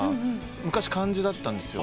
昔漢字だったんですよ。